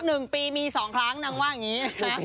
หนึ่งปีมีสองครั้งนางว่าอย่างนี้นะคะ